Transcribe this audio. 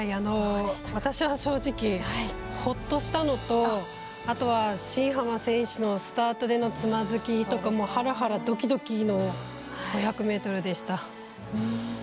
私は正直、ほっとしたのとあと、新濱選手のスタートでのつまずきとかハラハラドキドキの５００ｍでした。